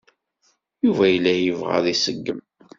Yuba yella yebɣa ad t-iṣeggem.